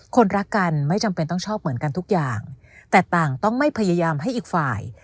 คนรักกันไม่จำเป็นต้องชอบเหมือนกันทุกอย่างแต่ต่างต้องไม่พยายามให้อีกฝ่าย